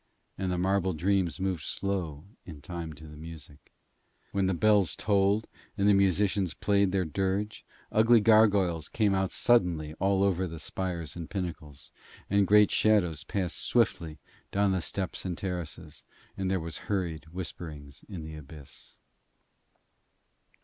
And the marble dreams moved slow in time to the music. When the bells tolled and the musicians played their dirge, ugly gargoyles came out suddenly all over the spires and pinnacles, and great shadows passed swiftly down the steps and terraces, and there was hurried whispering in the abyss.